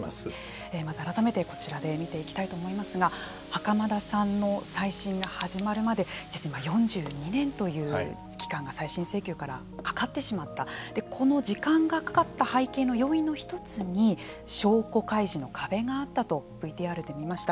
まず改めてこちらで見ていきたいと思いますが袴田さんの再審が始まるまで実に４２年という期間が再審請求からかかってしまったこの時間がかかった背景の要因の１つに証拠開示の壁があったとＶＴＲで見ました